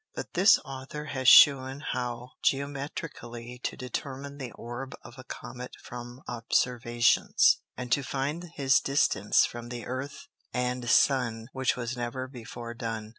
But this Author has shewn how Geometrically to determine the Orb of a Comet from Observations, and to find his Distance from the Earth and Sun, which was never before done.